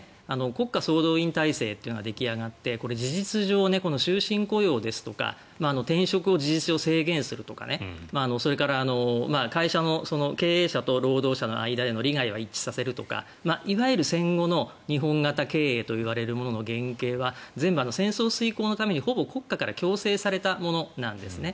国家総動員体制というのが出来上がってこれは事実上この終身雇用ですとか転職を事実上制限するとかそれから会社の経営者と労働者の間での利害を一致させるとかいわゆる戦後の日本型経営といわれるものの原型は全部、戦争遂行のためにほぼ国家から強制されたものなんですね。